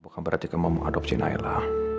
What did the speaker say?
bukan berarti kamu mau adopsi naila